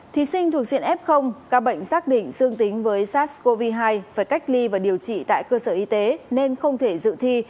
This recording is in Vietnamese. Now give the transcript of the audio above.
thí sinh thuộc diện f các bệnh xác định dương tính với sars cov hai phải cách ly và điều trị tại cơ sở y tế nên không thể dự thi